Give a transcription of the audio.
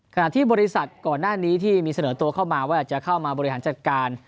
ขณะที่บริษัทก่อนหน้านี้ที่มีเสนอตัวเข้ามาว่าจะเข้ามาบริหารจัดการ